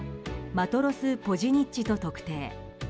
「マトロス・ポジニッチ」と特定。